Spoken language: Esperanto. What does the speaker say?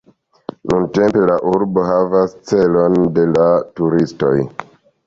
Nuntempe la urbo havas celon de la turistoj.